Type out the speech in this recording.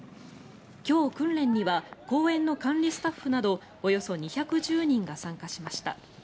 今日、訓練には公園の管理スタッフなどおよそ２１０人が参加しました。